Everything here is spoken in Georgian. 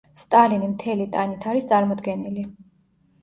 სტალინი მთელი ტანით არის წარმოდგენილი.